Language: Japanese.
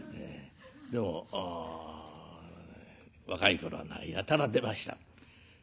でも若い頃はやたら出ました。